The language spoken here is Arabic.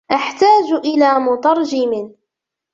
أحتاج إلى مترجم.